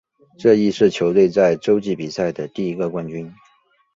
这亦是球队在洲际比赛的第一个冠军。